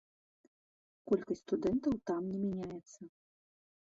Колькасць студэнтаў там не мяняецца.